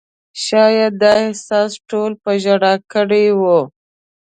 شاید دا احساس ټول په ژړا کړي وو.